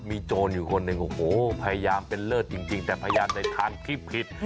มีโจรอยู่คนหนึ่งโอ้โหพยายามเป็นเลิศจริงแต่พยายามในทางที่ผิด